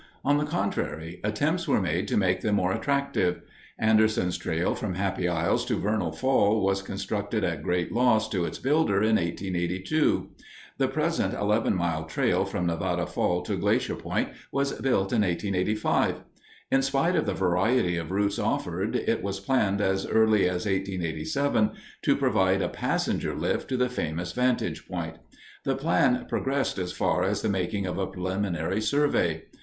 On the contrary, attempts were made to make them more attractive. Anderson's Trail from Happy Isles to Vernal Fall was constructed at great loss to its builder in 1882. The present Eleven Mile Trail from Nevada Fall to Glacier Point was built in 1885. In spite of the variety of routes offered, it was planned as early as 1887 to provide a passenger lift to the famous vantage point. The plan progressed as far as the making of a preliminary survey.